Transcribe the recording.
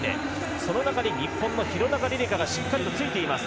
その中で日本の廣中璃梨佳がしっかりとついています。